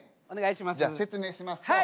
お願いします。